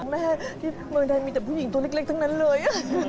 แม่ที่เมืองไทยมีแต่ผู้หญิงตัวเล็กทั้งนั้นเลย